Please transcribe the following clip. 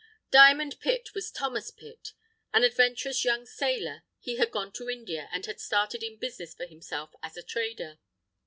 "Diamond Pitt," was Thomas Pitt. An adventurous young sailor, he had gone to India, and had started in business for himself as a trader.